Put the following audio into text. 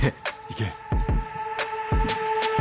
行け。